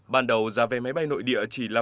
ban đầu giá vé máy bay nội địa chỉ là